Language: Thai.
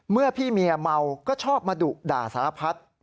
เมื่อพี่เมียเมาก็ชอบมาดุด่าสารพัฒน์